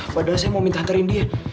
padahal saya mau minta antarin dia